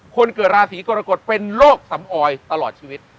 คนเกิดราศีกรกฎเป็นโรคสำออยตลอดชีวิต